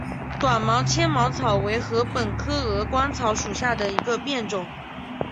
短芒纤毛草为禾本科鹅观草属下的一个变种。